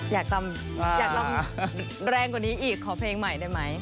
อยากลำแรงกว่านี้อีกขอเพลงใหม่ได้ไหม